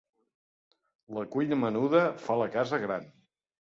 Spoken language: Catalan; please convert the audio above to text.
La cuina menuda fa la casa gran.